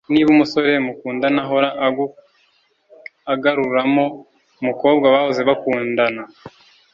niba umusore mukundana ahora agaruramo umukobwa bahoze bakundana